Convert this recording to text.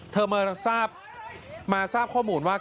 เธอมาทราบข้อมูลว่า